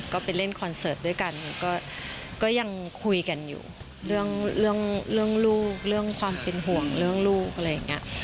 ก็ไปเล่นคอนเสิร์ตด้วยกันก็ยังคุยกันอยู่เรื่องเรื่องลูกเรื่องความเป็นห่วงเรื่องลูกอะไรอย่างนี้